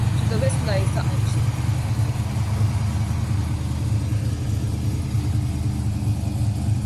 To the west lies the Irish Sea.